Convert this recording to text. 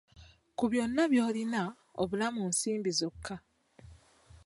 Ku byonna by'olina, obulamu nsimbi zokka!